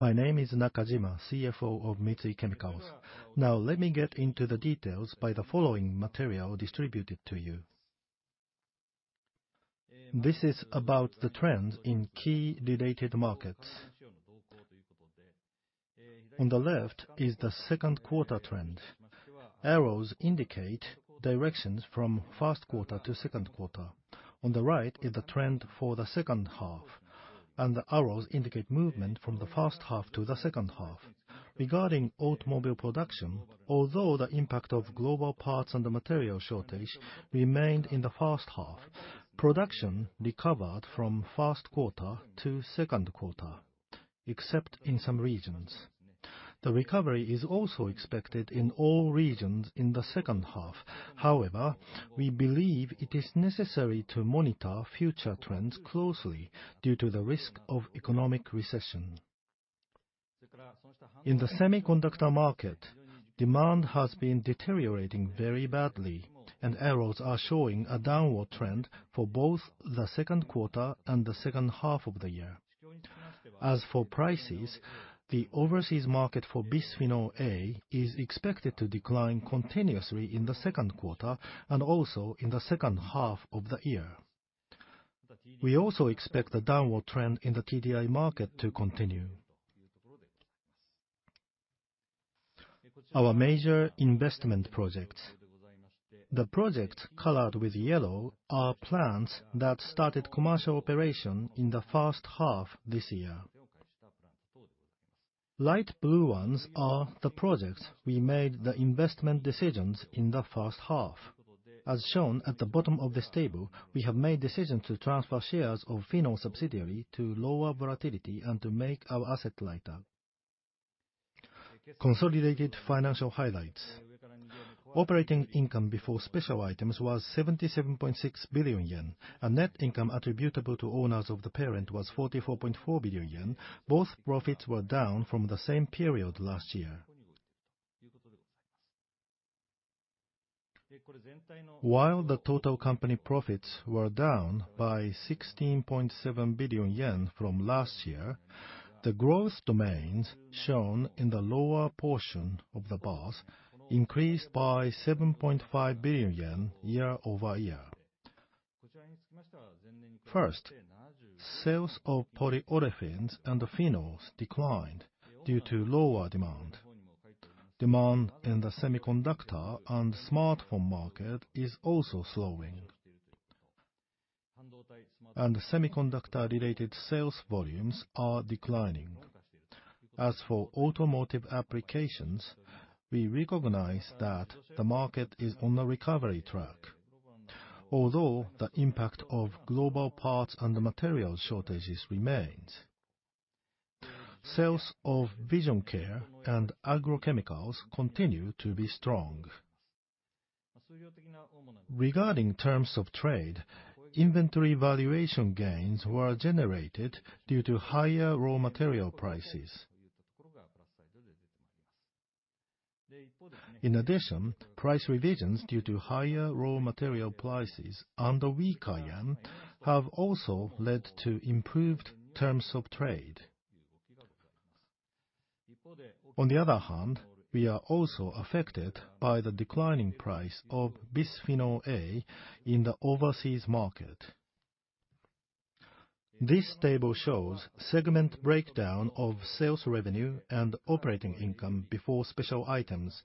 My name is Nakajime, CFO of Mitsui Chemicals. Let me get into the details by the following material distributed to you. This is about the trends in key related markets. On the left is the second quarter trend. Arrows indicate directions from first quarter to second quarter. On the right is the trend for the second half. The arrows indicate movement from the first half to the second half. Regarding automobile production, although the impact of global parts and the material shortage remained in the first half, production recovered from first quarter to second quarter, except in some regions. The recovery is also expected in all regions in the second half. We believe it is necessary to monitor future trends closely due to the risk of economic recession. In the semiconductor market, demand has been deteriorating very badly. Arrows are showing a downward trend for both the second quarter and the second half of the year. The overseas market for bisphenol A is expected to decline continuously in the second quarter and also in the second half of the year. We also expect the downward trend in the TDI market to continue. Our major investment projects. The projects colored with yellow are plants that started commercial operation in the first half this year. Light blue ones are the projects we made the investment decisions in the first half. As shown at the bottom of this table, we have made decisions to transfer shares of phenols subsidiary to lower volatility and to make our asset lighter. Consolidated financial highlights. Operating income before special items was 77.6 billion yen. Net income attributable to owners of the parent was 44.4 billion yen. Both profits were down from the same period last year. While the total company profits were down by 16.7 billion yen from last year, the growth domains shown in the lower portion of the bars increased by JPY 7.5 billion year-over-year. Sales of polyolefins and phenols declined due to lower demand. Demand in the semiconductor and smartphone market is also slowing. Semiconductor-related sales volumes are declining. Automotive applications, we recognize that the market is on a recovery track, although the impact of global parts and the material shortages remains. Sales of Vision Care and Agrochemicals continue to be strong. Inventory valuation gains were generated due to higher raw material prices. Price revisions due to higher raw material prices and a weaker yen have also led to improved terms of trade. We are also affected by the declining price of bisphenol A in the overseas market. This table shows segment breakdown of sales revenue and operating income before special items.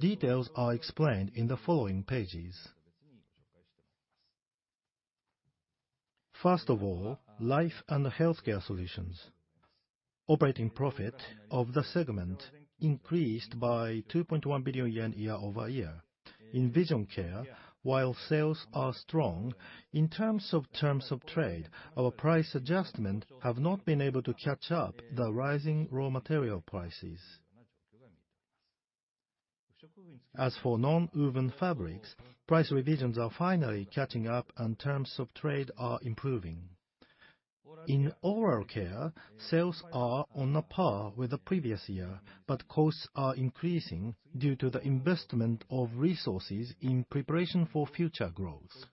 Details are explained in the following pages. Life & Healthcare Solutions. Operating profit of the segment increased by 2.1 billion yen year-over-year. In Vision Care, while sales are strong, in terms of trade, our price adjustments have not been able to catch up the rising raw material prices. Nonwoven fabrics, price revisions are finally catching up. Terms of trade are improving. In oral care, sales are on par with the previous year. Costs are increasing due to the investment of resources in preparation for future growth.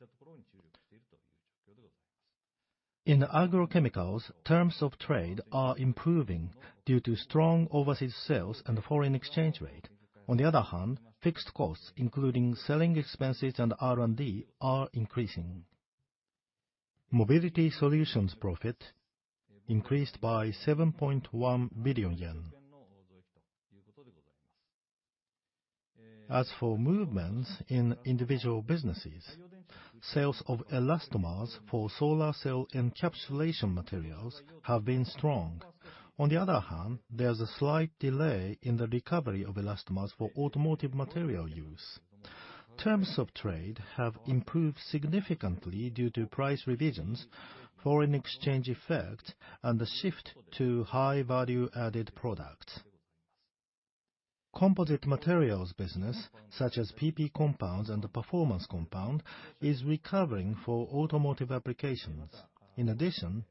In Agrochemicals, terms of trade are improving due to strong overseas sales and foreign exchange rate. Fixed costs, including selling expenses and R&D, are increasing. Mobility Solutions profit increased by JPY 7.1 billion. As for movements in individual businesses, sales of Elastomers for solar cell encapsulation materials have been strong. There's a slight delay in the recovery of Elastomers for automotive material use. Terms of trade have improved significantly due to price revisions, foreign exchange effect, and the shift to high value-added products. Composite materials business, such as PP compounds and the performance compound, is recovering for automotive applications.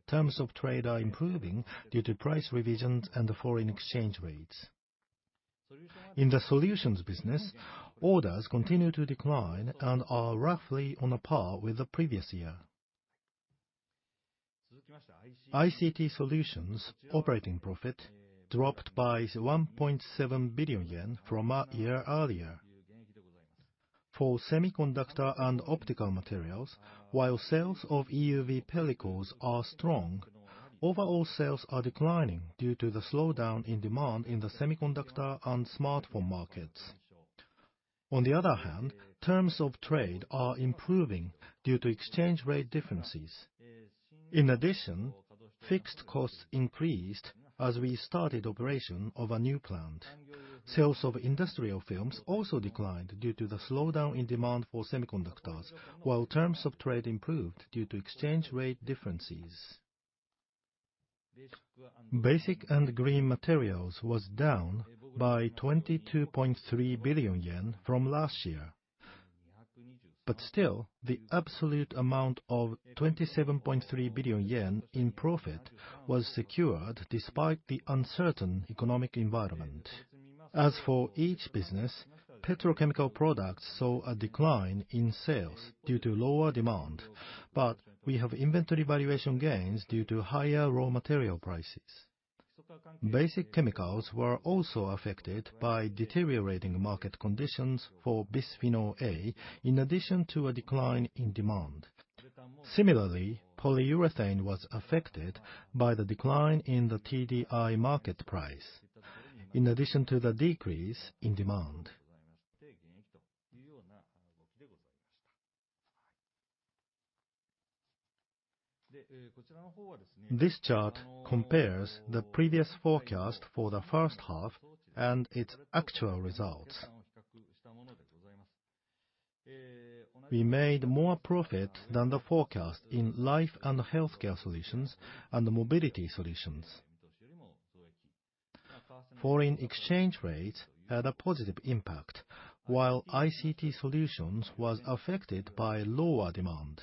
Terms of trade are improving due to price revisions and foreign exchange rates. In the solutions business, orders continue to decline and are roughly on par with the previous year. ICT Solutions operating profit dropped by 1.7 billion yen from a year earlier. For semiconductor and optical materials, while sales of EUV pellicles are strong, overall sales are declining due to the slowdown in demand in the semiconductor and smartphone markets. Terms of trade are improving due to exchange rate differences. Fixed costs increased as we started operation of a new plant. Sales of industrial films also declined due to the slowdown in demand for semiconductors, while terms of trade improved due to exchange rate differences. Basic & Green Materials was down by 22.3 billion yen from last year, but still, the absolute amount of 27.3 billion yen in profit was secured despite the uncertain economic environment. As for each business, petrochemical products saw a decline in sales due to lower demand, but we have inventory valuation gains due to higher raw material prices. Basic chemicals were also affected by deteriorating market conditions for bisphenol A in addition to a decline in demand. Similarly, polyurethane was affected by the decline in the TDI market price in addition to the decrease in demand. This chart compares the previous forecast for the first half and its actual results. We made more profit than the forecast in Life & Healthcare Solutions and Mobility Solutions. Foreign exchange rates had a positive impact, while ICT Solutions was affected by lower demand.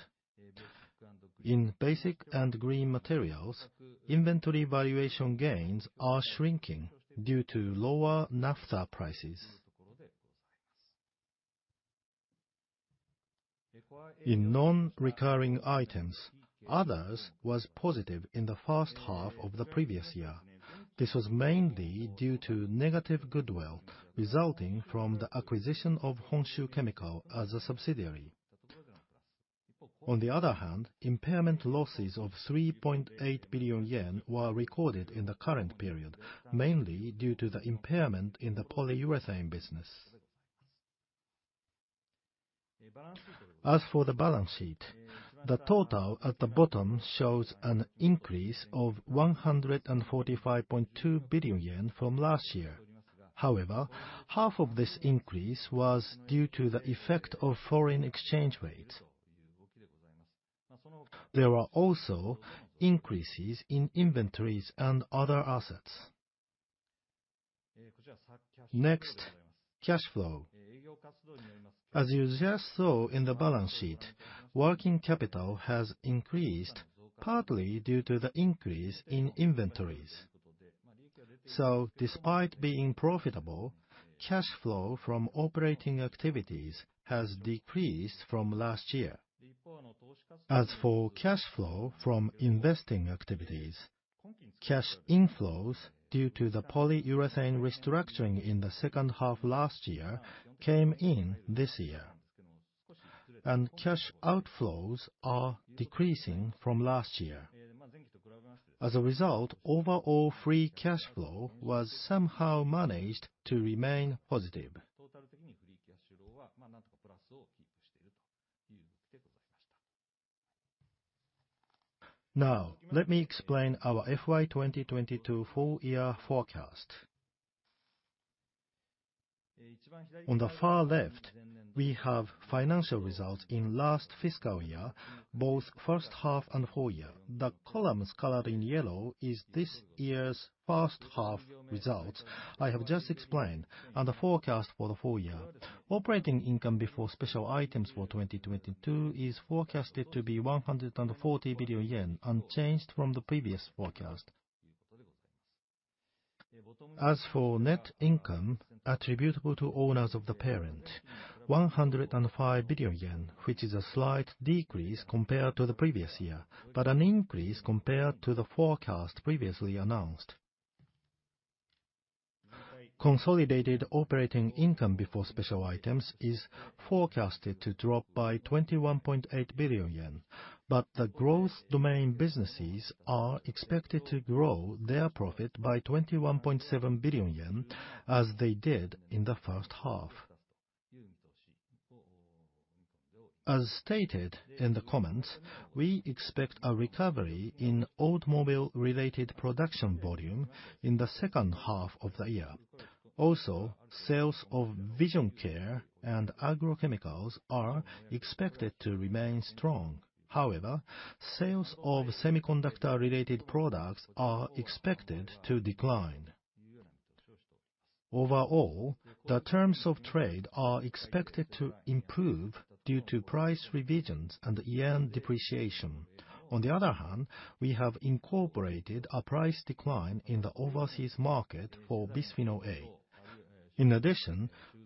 In Basic & Green Materials, inventory valuation gains are shrinking due to lower naphtha prices. In non-recurring items, others was positive in the first half of the previous year. This was mainly due to negative goodwill resulting from the acquisition of Honshu Chemical as a subsidiary. Impairment losses of 3.8 billion yen were recorded in the current period, mainly due to the impairment in the polyurethane business. As for the balance sheet, the total at the bottom shows an increase of 145.2 billion yen from last year. Half of this increase was due to the effect of foreign exchange rates. There were also increases in inventories and other assets. Next, cash flow. As you just saw in the balance sheet, working capital has increased partly due to the increase in inventories. Despite being profitable, cash flow from operating activities has decreased from last year. As for cash flow from investing activities, cash inflows due to the polyurethane restructuring in the second half last year came in this year, and cash outflows are decreasing from last year. Overall free cash flow was somehow managed to remain positive. Let me explain our FY 2022 full-year forecast. On the far left, we have financial results in last fiscal year, both first half and full year. The columns colored in yellow is this year's first half results I have just explained and the forecast for the full year. Operating income before special items for 2022 is forecasted to be 140 billion yen, unchanged from the previous forecast. As for net income attributable to owners of the parent, 105 billion yen, which is a slight decrease compared to the previous year, but an increase compared to the forecast previously announced. Consolidated operating income before special items is forecasted to drop by 21.8 billion yen, the growth domain businesses are expected to grow their profit by 21.7 billion yen as they did in the first half. As stated in the comments, we expect a recovery in automobile-related production volume in the second half of the year. Sales of Vision Care and Agrochemicals are expected to remain strong. Sales of semiconductor-related products are expected to decline. The terms of trade are expected to improve due to price revisions and the yen depreciation. We have incorporated a price decline in the overseas market for bisphenol A.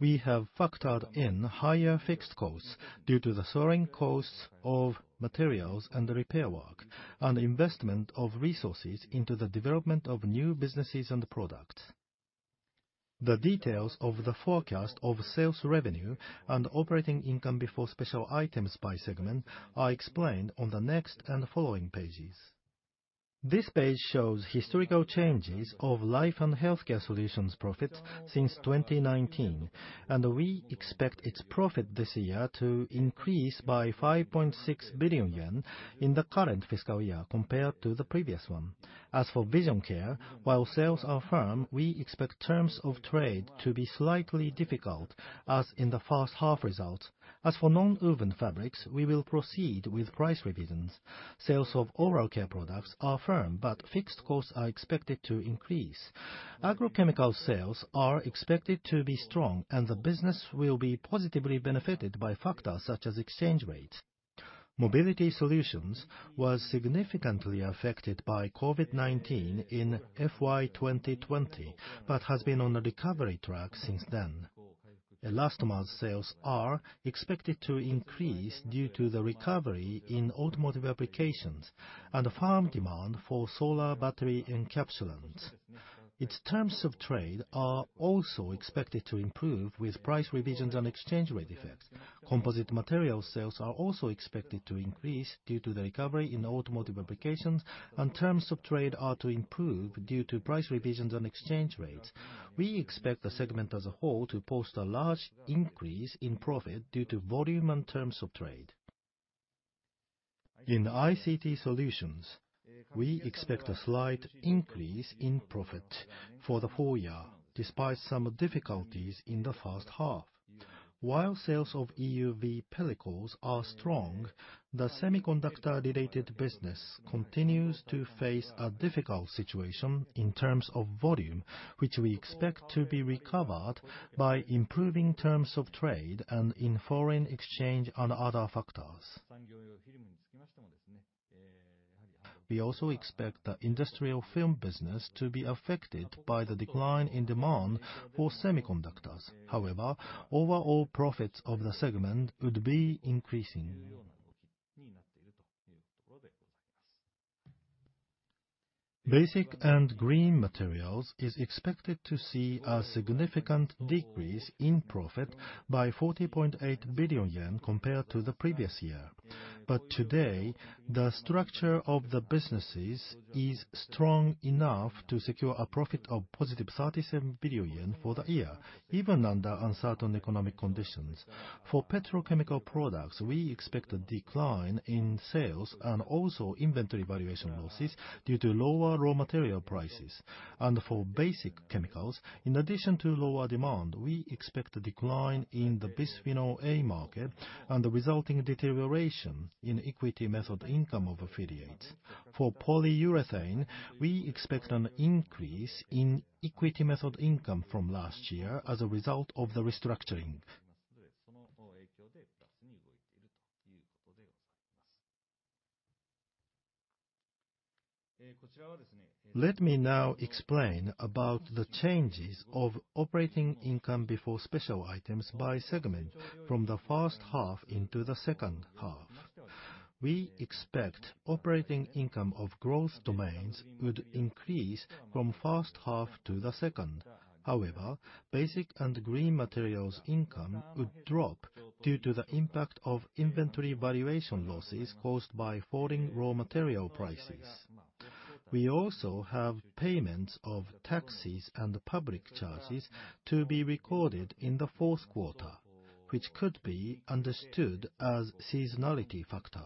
We have factored in higher fixed costs due to the soaring costs of materials and repair work, and investment of resources into the development of new businesses and products. The details of the forecast of sales revenue and operating income before special items by segment are explained on the next and following pages. This page shows historical changes of Life & Healthcare Solutions profits since 2019. We expect its profit this year to increase by 5.6 billion yen in the current fiscal year compared to the previous one. As for Vision Care, while sales are firm, we expect terms of trade to be slightly difficult, as in the first half results. As for nonwoven fabrics, we will proceed with price revisions. Sales of oral care products are firm, fixed costs are expected to increase. Agrochemical sales are expected to be strong, the business will be positively benefited by factors such as exchange rates. Mobility Solutions was significantly affected by COVID-19 in FY 2020, has been on a recovery track since then. Elastomers sales are expected to increase due to the recovery in automotive applications and firm demand for solar cell encapsulants. Its terms of trade are also expected to improve with price revisions and exchange rate effects. Composite materials sales are also expected to increase due to the recovery in automotive applications, terms of trade are to improve due to price revisions and exchange rates. We expect the segment as a whole to post a large increase in profit due to volume and terms of trade. In ICT Solutions, we expect a slight increase in profit for the full year, despite some difficulties in the first half. While sales of EUV pellicles are strong, the semiconductor-related business continues to face a difficult situation in terms of volume, which we expect to be recovered by improving terms of trade and in foreign exchange and other factors. We also expect the industrial film business to be affected by the decline in demand for semiconductors. However, overall profits of the segment would be increasing. Basic & Green Materials is expected to see a significant decrease in profit by 40.8 billion yen compared to the previous year. Today, the structure of the businesses is strong enough to secure a profit of positive 37 billion yen for the year, even under uncertain economic conditions. For petrochemical products, we expect a decline in sales and also inventory valuation losses due to lower raw material prices. For basic chemicals, in addition to lower demand, we expect a decline in the bisphenol A market and the resulting deterioration in equity method income of affiliates. For polyurethane, we expect an increase in equity method income from last year as a result of the restructuring. Let me now explain about the changes of operating income before special items by segment from the first half into the second half. We expect operating income of growth domains would increase from first half to the second. However, Basic & Green Materials income would drop due to the impact of inventory valuation losses caused by falling raw material prices. We also have payments of taxes and public charges to be recorded in the fourth quarter, which could be understood as seasonality factor.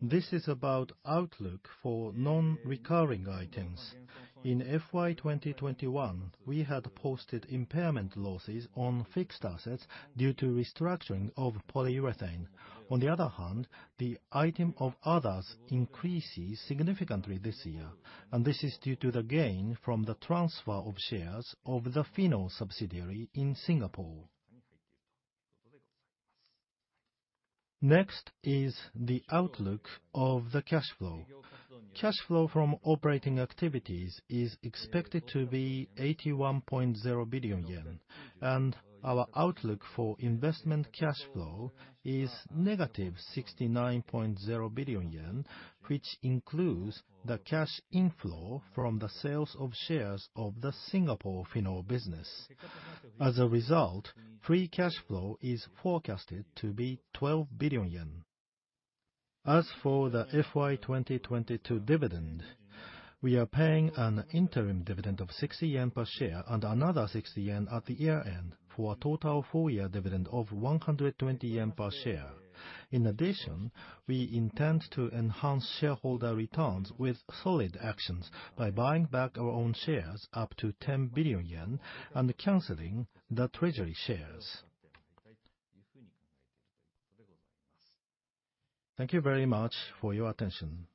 This is about outlook for non-recurring items. In FY 2021, we had posted impairment losses on fixed assets due to restructuring of polyurethane. On the other hand, the item of others increases significantly this year, and this is due to the gain from the transfer of shares of the phenol subsidiary in Singapore. Next is the outlook of the cash flow. Cash flow from operating activities is expected to be 81.0 billion yen, and our outlook for investment cash flow is negative 69.0 billion yen, which includes the cash inflow from the sales of shares of the Singapore phenol business. As a result, free cash flow is forecasted to be 12 billion yen. As for the FY 2022 dividend, we are paying an interim dividend of 60 yen per share and another 60 yen at the year-end, for a total full-year dividend of 120 yen per share. In addition, we intend to enhance shareholder returns with solid actions by buying back our own shares up to 10 billion yen and canceling the treasury shares. Thank you very much for your attention.